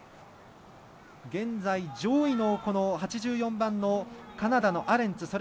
現在、上位の８４番のカナダの選手